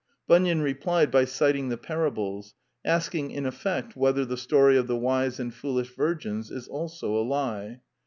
Bunyan replied by citing the para bles: asking, in effect, whether the story of the wise and foolish virgins is also a lie.